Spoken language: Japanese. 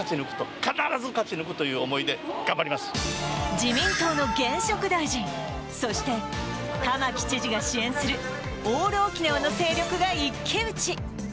自民党の現職大臣、そして玉城知事が支援するオール沖縄の勢力が一騎打ち。